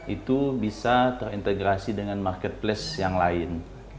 itu bisa terintegrasi dengan marketplace yang lain